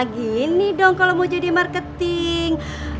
gini dong kalau mau jadi marketing